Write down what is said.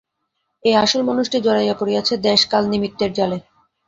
এই আসল মানুষটি জড়াইয়া পড়িয়াছে দেশ-কাল-নিমিত্তের জালে।